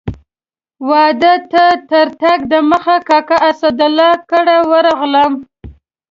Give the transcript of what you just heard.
واده ته تر تګ دمخه کاکا اسدالله کره ورغلم.